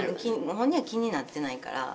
本人は気になってないから。